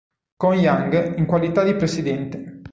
Con Young in qualità di presidente.